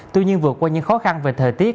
tuy nhiên vượt qua những khó khăn về thời tiết